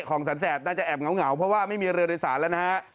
ของแสนแสบน่าจะแอบเหงาเพราะว่าไม่มีเรือโดยสารแล้วนะฮะ